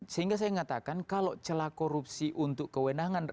sehingga saya mengatakan kalau celah korupsi untuk kewenangan